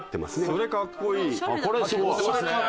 それかっこいいですね。